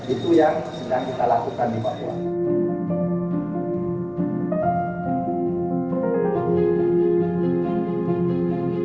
itu yang sedang kita lakukan di papua